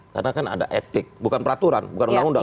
karena kan ada etik bukan peraturan bukan undang undang